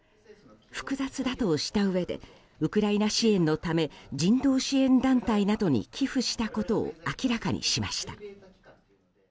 複雑だとしたうえでウクライナ支援のため人道支援団体などに寄付したことを明らかにしました。